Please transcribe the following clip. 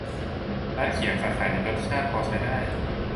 ร้านเขียง สาขานี้รสชาติพอใช้ได้